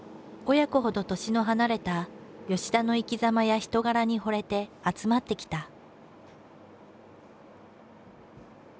親子ほど年の離れた田の生きざまや人柄にほれて集まってきた。